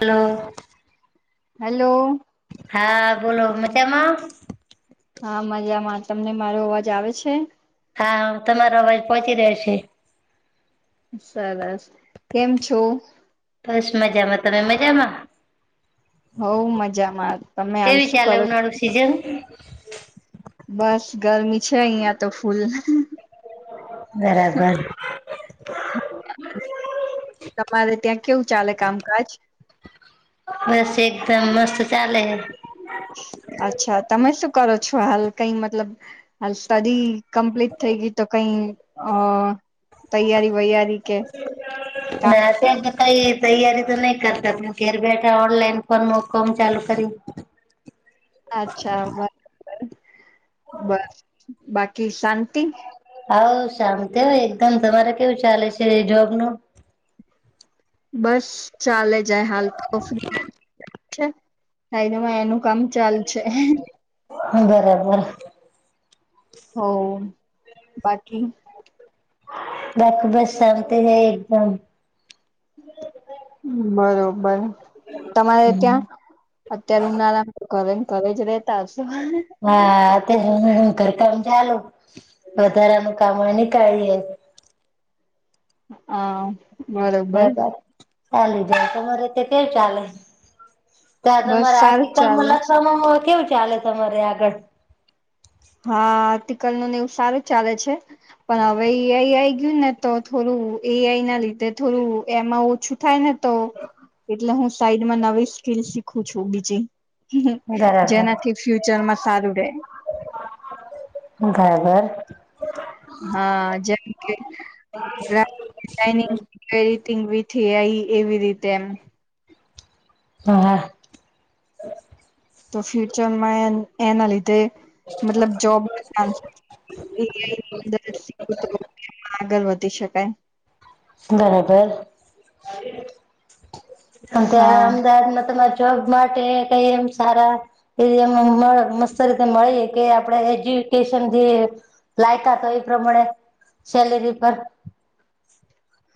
Hello hello હા બોલો. મજામાં? હા મજામાં. તમને મારો અવાજ આવે છે? હા તમારો અવાજ પહોંચી રહ્યો છે સરસ કેમ છો? બસ મજામાં તમે મજામાં? હઉ મજામાં તમે હાલ કેવી શું ચાલે કરો છો ઉનાળું સીઝન? બસ ગરમી છે અહિયાં તો ફૂલ બરાબર તમારે ત્યાં કેવું ચાલે કામકાજ? બસ એકદમ મસ્ત ચાલે હ. અચ્છા તમે શું કરો છો હાલ કઈ મતલબ હાલ સ્ટડી કમ્પ્લીટ થઈ ગઈ તો કઈ અ તૈયારી વૈયારી કે? અત્યારે તો કઈ તૈયારી તો નહી કરતા ત ઘેર બેઠા ઓનલાઈન ફોર્મ કોમ ચાલુ કરી. અચ્છા બરાબર બસ બાકી શાંતિ? હા હો શાંતિ હો એકદમ. તમારે કેવું ચાલે છે જોબ ને? બસ ચાલે જાય. હાલ તો કફ છેા થાઈ દમાં એનું. કામ ચાલ છે. હ્ હ્. હ બરાબર. હઓ બાકી. બાકી બસમતી છે એકદમ. બરોબર. તમારે ત્યાં અત્યારે આરામ કરે. ઘરેજ રહેતાસ હા તે હ કર કામ. ચાલું વધારાનું કામ નીકાળીયે. હા. બરોબર. બરાબર ચાલી જ તમા તમારેતે તેવ ચાલે. ત્યાં બસ તમારે સારું ચાલે આર્ટિકલમાં છે લખવામાં કેવું. ચાલે તમારે આગળ. હા. લ નું ને એવું સારું ચાલે છે. [inaudible] ને તો થોડું એઆઈ ના લીધે થોડું એમાં ઓછું થાય ને તો એટલે હું સાઈડમાં નવી સ્કીલ શીખું છું બીજી. હ હ બરાબર જેનાથી ફ્યુચર માં સારું રહેે. ઘર-ઘર. હા જેમકે [unintelligible] થી આઈ એવી રીતે એમ. હા હા. તો ફ્યુચરમાં એના લીધે. મતલબ જોબ એ આઈ ની મદદથી ચા આગળ વધ તે શકાય. બરાબર અ અમદાવાદ મા હા તમાર જોબ માટે કઈ એમ સારા એ મસ્ત રીતે મળી કે આપણે એજ્યુકેશન જે લાયતા તો એ પ્રમાણે સેલેરી પર.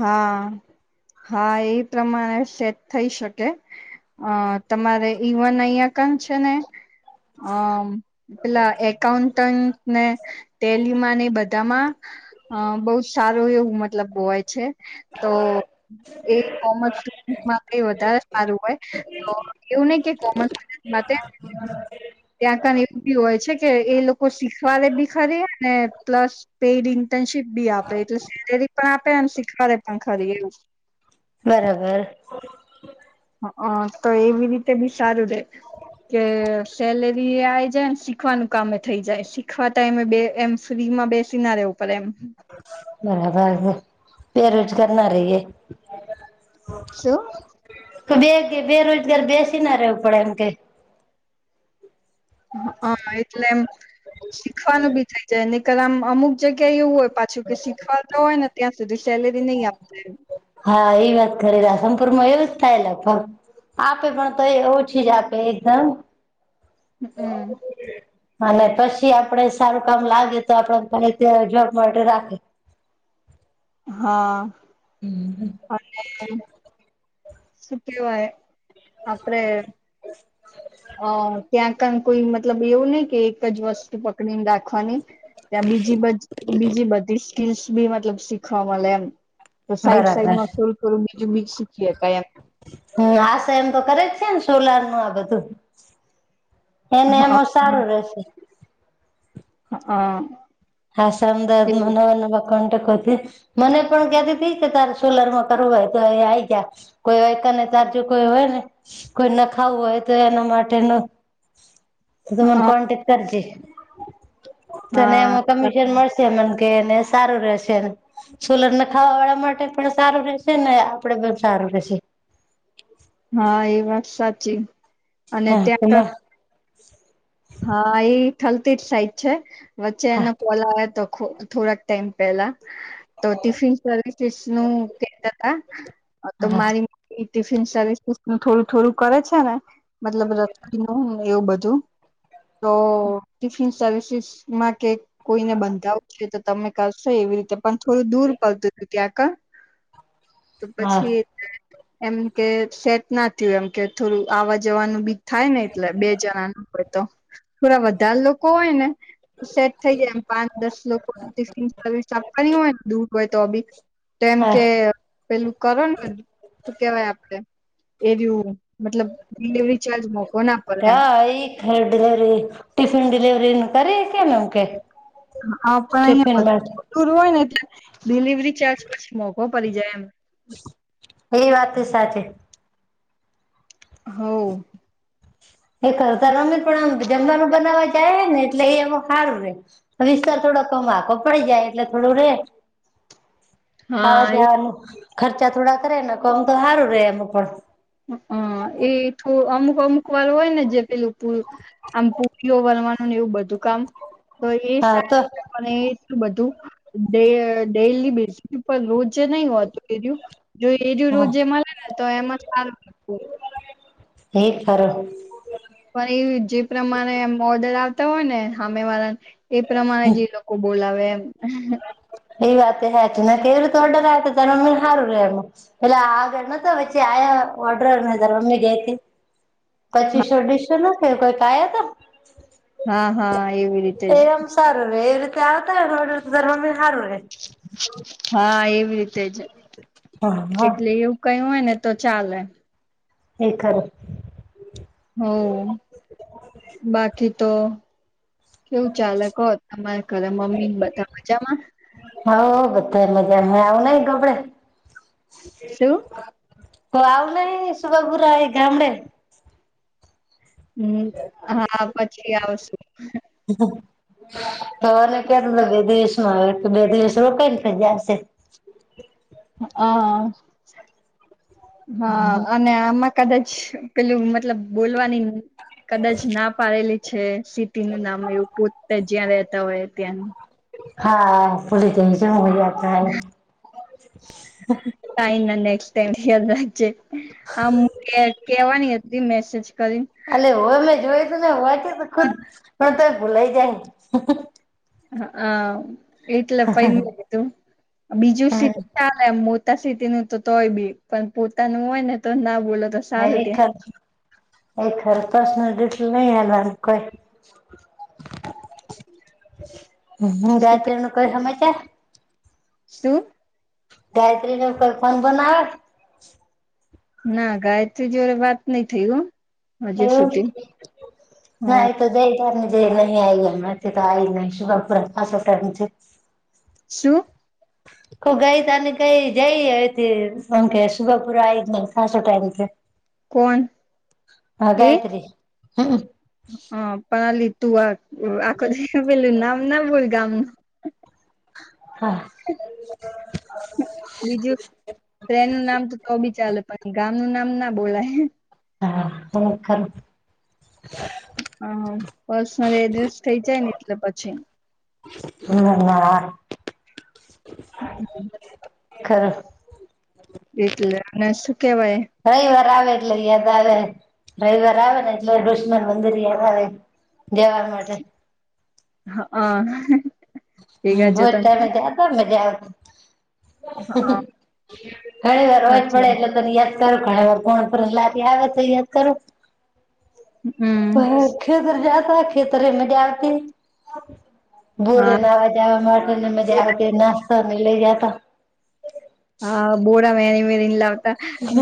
હા હા એ પ્રમાણે સેટ થઈ શકે અ તમારે ઈવન અહીં યા કન છે ને હ પેલા એકકાઉન્ટ. ટન ને ટેલીમાં ને બધામાં અ બહુ સારું એવું મતલબ બોવાય. છે. તો એ કોમર્સ સડ માટે વધારે સારું હોય તો એવું નહ કે કોમર્સ સાથે ત્યાં ક એવું બી હોય છે કે એ લોકો શીખવા બી ખરી અને પ્લસ. પેડિંગ. શીપ બી આપે એટલે સેલેરી પણ આપ બરાબર હ તો એવી રીતે બી સારું રે કે સેલેરી આ જાય ને શીખવાનું કામે થઈ જાય શીખવાતા એમે એમ ફ્રી માં બેસી ના રવું પડે એમ બરાબર પેરુંજ કરનાર રહીયએ શું તો બે બેરોજગાર બેસી ના રહેવું પડે એમ કે. હા એટલે એમ શીખવાનું બી થઇ જાય. કલમ અમુક જગ્યા એવું હોય પાછું કે શીખવાતા હોયને ત્યાં સુધી સેલે નહી આપુ જોઈએ હા એ વાત કરેલા સંપુર માં એવું જ થાય લ આપે પણ તો એ ઓછી જ આપે એકદમ હ હમ અને પછી આપડ સારું કામ લાગે તો આપડ પા ત્યા જોબ માટે રાખે હા [unintelligible] શું કેવાય આપડે બેવું ને એક જ વસ્તુ પકડીને રાખ [unintelligible] ત્યાં બીજી બ બીજી બધી સ્કિલ્સ ભી મતલબ સીખવા મળે એમ તો સાઈડ બરાબર સાઈડ માં થોડું થોડું બીજું બીજ શીખીએ ક હમ આશા એમ તો કરે જ છે ને સોલાર નું આ બધું એને એમ હા સારું રહેશે હા હ સામદાદ મનોવ ન મને પણ ક્યાથી થ કે તારે સોલર માં કરવું હોય તો એ આ ગયા કોઈ વાકાને તારજુ કોઈ હોય ને કોઈ ન ખાવું હોય તો એના માટેનું તો તોું મને કોન્ટેક્ટ કરજ હા કમિશન મળશે કેને સારું રશે સુોલરને ખાવા વાળા માટે પણ સારું રશે ને આપડે પણ સારું રેશે હા એ વાત સાચી અને હા ત્યાં એમાં હા એ થલતીજ સાઈટ છે વચ્ચે હા એને કોલા આવે તો થોડાક ટાઈમ પહેલા તો ટિફિન સર્વિસીસ નું કે હતા તો હા મારી ટિફિન સર્વિસસ નું થોડું થોડું કરે છે ને મતલબ રખડી નું એવું બધું તો ટિફિન સર્વિસસ માં કેક કોઈને બંધાવું છે તમે કરશો એવી રીતે પણ થોડું દૂર પડત ક્યા ક તો હા પછી એમ કે સેટ ના થયું એમ કે થોડું આવા જવાનું બીું થાય ને એટલે બે જણાનું હો તો થોડા વધારે લોકો હોય ને સેટ થઇ જાય એમ પાંચ દસ લોકો ટિફન સર્વિસ આપવાની હોય ને દૂર હોય તો અભી તો એમ હા કે પેલું કરો ને શું કેવાય આપડે એ દું મતલબ ડિલવરી ચાર્જ મોકો ના પડે એમ હા એ ડિલિવરી ટિફિન ડિલવરી ન કરી કેમ એમ કે પણ ટિફિન માટે અહીયાધરું હોય ને એલે ડિલિવરી ચાર્જછ મોકો પરિ જય એમ એ વાત છે સાચી હ એ કરતાના આપ જમવાનું બનાવા જાય ને એટલે એ એમાં સારું રે, વિસ્તાર થોડો કમાકો પડી જાય એટલે થોડું રે. આવા હા એ જવાનું. ખર્ચા થોડા કરે ને કમ તો સારું રે એમ પણ. હ એ થું અમુક અમુક વાર હોય ને જે પેલું પ આમ પુરીઓ બનવા. એવુ બધું. ધું કામ તો એ હા તો સારું એટલું બધું ડ ડેલી બેસીસ ઉપ રોજ નહી હોતું એ. જો એજ રોજ હા જે મળે ને તો એમાં બ [unintelligible] એક તરફ પણ એ જે પ્રમાણે એમ ઓર્ડર આવતા હોય ને હામે વાળાને. એ પ્રમાણે જે લોકો બોલાવે. [unintelligible] એ વાત તો હાચી. કેવી રીતે ઓર્ડર આવે તો તારા મમ્મી હારું રે એમ, પેલે આગળ ન વચ્ચે આ્યા ઓર્ડર ને તાર મમ્મી ગઈ તી. પચીસો અડીસો નથી કઈ. [unintelligible] હા હા એવી રીતે એ જ એમ સારું રે, એ રીતે ત્યા આવતા [unintelligible] હારુ રે હા, એ એજ, હા હા એટલે એવું કાઈ હોય ને તો ચાલે એ, ખર હ, બાકી તો કેવું ચાાલે કો, હો તમારા ઘરે મમ્મી ને બધા મજામાં હોવ બધા મજામા [unintelligible] આવ નઈ ગબડે શું ત્યા આવું નહી [unintelligible] એ ગામડે હમ, હા, પછી આવશુ તોએનૂ કેતું બે દિવસ, માં બે દિવસ રોકાઈને [unintelligible] આવશે હા હા અને આમાં કદાચ પેલું મતલબ બોલવાની, કદાચ ના પાડેલી. છે. સિટી નું નામ એવું પોતે જ્યાં રેતા હોય. ત્યાં હા ફુલી [unintelligible] [unintelligible] [unintelligible] [unintelligible] યાદ રાખજે. આમ કે કેવાની હતી મેસેજ કરીને [unintelligible] કે ખુદ પણ તોય ભૂલાઈ જાય. [unintelligible] હ-અ એટલે [unintelligible] તું બીજુ [unintelligible] ચાલે એમ મો તા સિટીનું તો તોય બી પણ પોતાનું હોય ને તો ના બોલો તો સારુ ત્યાં ખરેખર એ ખર પશનલ [unintelligible] કઈ [inaudible] ઉ-હમ્મ શું કે ગાયત્રી નું કઈ હમાચાર? શું ગાયત્રી નો કોઈ ફોન બોન આવે? ના ગાયત્રી જોડે વાત નઈ થય હો. હજુ એવું સુધી ના હા આતો જઈ [inaudible] શું? [inaudible] કોણ એ [inaudible] હમ. હા પાલી તુઆર [inaudible] હા. બીજું ટ્રેન નું નામ તો બી ચાલે પણ ગામ એનું નામ ના બોલાય. [inaudible] [inaudible] હ પર્સનલ એડ્રેસ થઇ જાય ને એટલે પછી. [inaudible] [inaudible] [inaudible] [inaudible] એટલે અને કેવાય. રવિવાર આવે એટલે યાદ આવે રવિવાર આવે ને એટલે દુશ્મન મંદિર યાદ આવે જવા માટે. હ હ હો તોમેજાદ મજા આવ હા [inaudible] [inaudible] હું ઘરેર અવાજ સાચી પડે વાત એટલે ક ું ઘણી વાર કોણ લ આવે ત યાદ કરું હમ ભ ખેતર જ ખેતરે મજ આવતી બોર હા વા જવા માટે ને મજા આવે કે નાતો લ ગતા હા બોરા મેની મેલા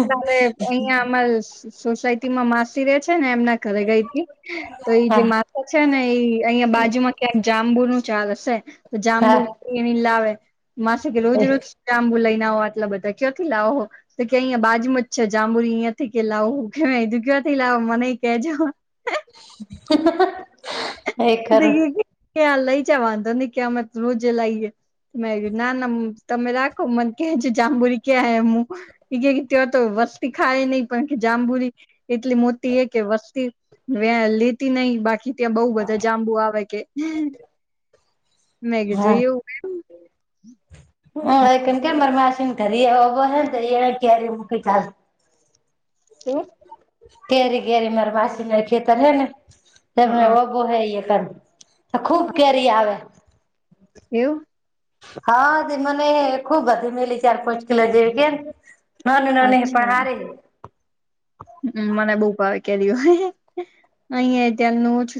તાલે અહિયાં અમા સોસાયટી માં માસી રે છે ને એમના રે ગઈ તો એ જે હા માથા છે ને એ અહિયાં બાજુ માં ક્યાંક જામ આંબુ નું ચાલ હશે તો જાંબુ હા એ લ આવેે માસે કે રોજ રોજામં બુ લઈ આટલા બધા કયોથી લાવો તો કે અહીિયાયા બાજમાં જ છે જાંબુરી અહંયાથી કે લાવ કેધું કયોથી લાવો મને કેજ હ એ ખર કે આ લઈ જ વાંધો નહ કે અમે રોજ લઈ જ મે ના ના તમે રાખો મને કે છે જાંબુરી ક્યાંમું એ ત તો વસ્તી ખાય નહીિ પણ કે જાંબુરી એટલી મોટી હ કે વસ્તી વ લ ન બાકી ત્યાં બહુ બધા જાંબુ આવે કે મેં કીધું એવું કે હા કેમ કે માર માશ ત એબર હને ત ક્યારે મ ચાલ હ કેરી ગેરી મા બાસી મા ખેતર હે ને એમને હા ઓ બો હ કર ખુબ કેરી આવે એવ હા, તે, મને ખુબ ગધી મેલી ચાર, પાંચ કિલો જેવી કેમ નોની, નોની, પણ હારી હે હમ, મને બહુ ભાવે કેરીઓ, અહીયા ત્યારનું ઓછુ